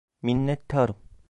Minnettarım.